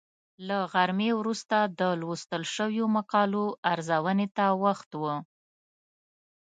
له غرمې وروسته د لوستل شویو مقالو ارزونې ته وخت و.